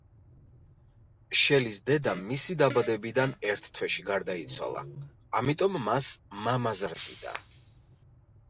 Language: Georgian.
შელის დედა მისი დაბადებიდან ერთ თვეში გარდაიცვალა, ამიტომ მას მამა ზრდიდა.